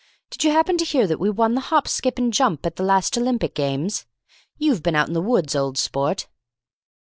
Did you happen to hear that we won the Hop skip and jump at the last Olympic Games? You've been out in the woods, old sport."